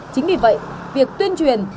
chính vì vậy việc tuyên truyền